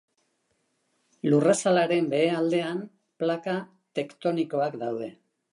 Lurrazalaren behealdean plaka tektonikoak daude.